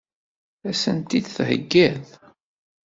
Ad sen-t-id-theggiḍ?